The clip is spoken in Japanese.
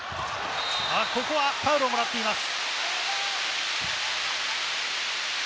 ここはファウルをもらっています。